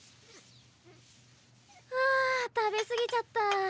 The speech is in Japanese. はぁ食べ過ぎちゃった。